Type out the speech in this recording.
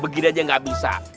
begitu aja gak bisa